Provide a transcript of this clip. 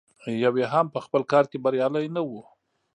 یو یې هم په خپل کار کې بریالی نه و.